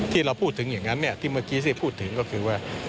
ที่เราพูดถึงอย่างนั้นที่เมื่อกี้ที่พูดถึงก็คือว่า